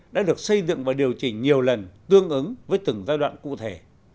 đã được xây dựng và điều chỉnh nhiều lần tương ứng với từng giai đoạn cụ thể